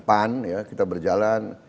pan kita berjalan